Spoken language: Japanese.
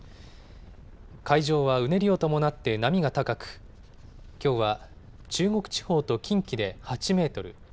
海上はうねりを伴って波が高くきょうは中国地方と近畿で８メートル